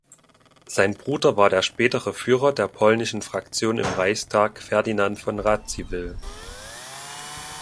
Sein Bruder war der spätere Führer der polnischen Fraktion im Reichstag Ferdinand von Radziwill.